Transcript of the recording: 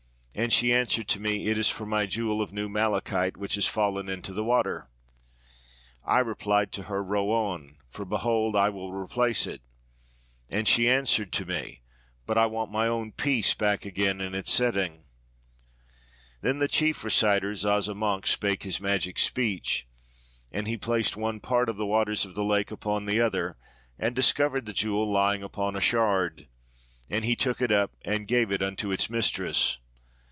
and she answered to me, "It is for my jewel of new malachite which is fallen into the water." I replied to her, "Row on, for behold I will re place it"; and she answered to me, "But I want my own piece again back in its setting."' Then the chief reciter Zazamankh spake his magic speech. And he placed one part of the waters of the lake upon the other, and dis covered the jewel lying upon a shard; and he took it up and gave it unto its mistress.